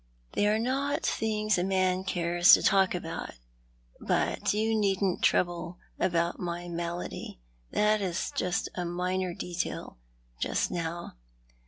" They are not things a man cares to talk about. But you needn't trouble about my malady; that is a minor detail, just now.